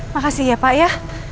makasih ya pak ya